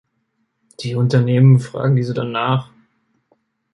Die Unternehmen fragen diese dann nach.